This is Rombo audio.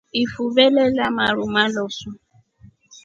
Ifuve lelya maru malosu.